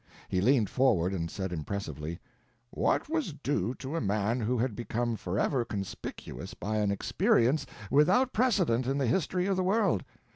He leaned forward and said impressively: "What was due to a man who had become forever conspicuous by an experience without precedent in the history of the world?